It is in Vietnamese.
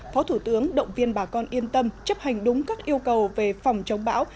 phó thủ tướng động viên bà con yên tâm chấp hành đúng các yêu cầu về phòng chống bão